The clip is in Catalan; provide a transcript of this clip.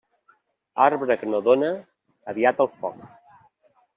Arbre que no dóna, aviat al foc.